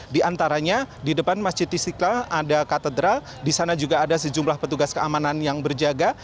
di antaranya di depan masjid istiqlal ada katedral di sana juga ada sejumlah petugas keamanan yang berjaga